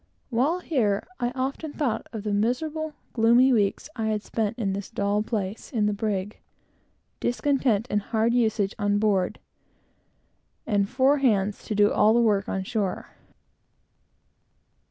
While here, I often thought of the miserable, gloomy weeks we had spent in this dull place, in the brig; discontent and hard usage on board, and four hands to do all the work on shore.